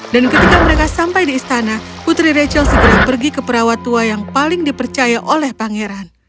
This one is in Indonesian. dan ketika mereka sampai di istana putri rachel segera pergi ke perawat tua yang paling dipercaya oleh pangeran